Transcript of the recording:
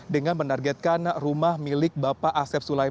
dengan menargetkan rumah milik bapak asef sulaiman ini